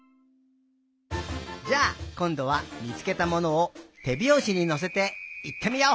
じゃあこんどはみつけたものをてびょうしにのせていってみよう！